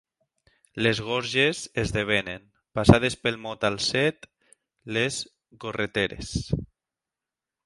"Les gorges" esdevenen, passades pel mot al set, "Les gorreteres".